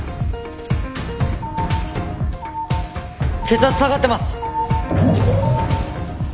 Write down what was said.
血圧下がってます。